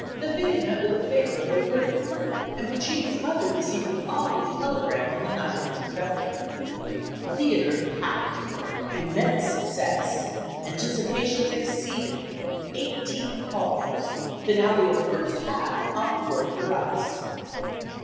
Le Villi met with a favourable verdict, and Puccini's mother received the following telegram on the night of its production: "Theatre packed, immense success; anticipations exceeded; eighteen calls; finale of first act encored thrice."